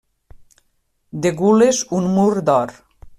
De gules, un mur d'or.